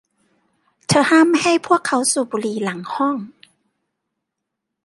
เธอห้ามไม่ให้พวกเขาสูบบุหรี่หลังห้อง